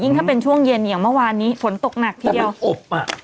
ถ้าเป็นช่วงเย็นอย่างเมื่อวานนี้ฝนตกหนักทีเดียวอบอ่ะ